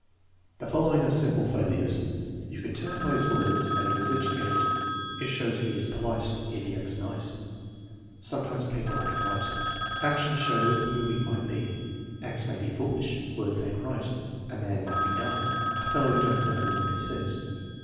The following are sample failures: "You could tell by his words that he was educated." "It shows he is polite if he acts nice." "Sometimes people are n't polite." "Actions show who he might be." "Acts may be foolish." "Words ain't right." "A man might be dumb." "A fellow don't know what he says."